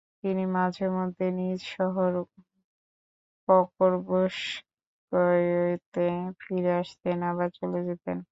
তিনি মাঝে মধ্যে নিজ শহর পকরভস্কয়িতে ফিরে আসতেন আবার চলে যেতেন।